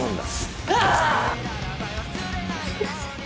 あぁ！ごめんなさい。